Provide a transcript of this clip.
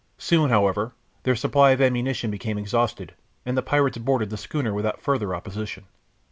Soon, however, their supply of ammunition became exhausted, and the pirates boarded the schooner without further opposition.